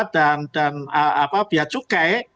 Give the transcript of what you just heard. dan biaya cukai